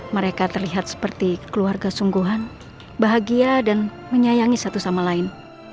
mereka terlihat seperti keluarga sungguhan bahagia dan menyayangi satu sama lain